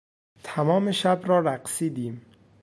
تمام شب را رقصیدیم.